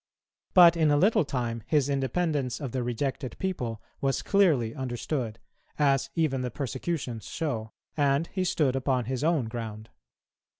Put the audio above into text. But in a little time his independence of the rejected people was clearly understood, as even the persecutions show; and he stood upon his own ground.